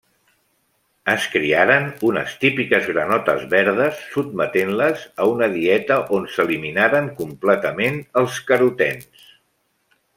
Es criaren unes típiques granotes verdes sotmetent-les a una dieta on s'eliminaren completament els carotens.